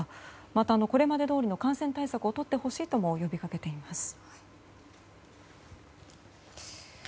また、これまでどおりの感染対策をとってほしいとも呼びかけています。